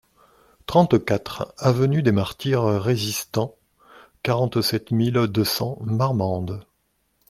trente-quatre avenue des Martyrs Resistanc, quarante-sept mille deux cents Marmande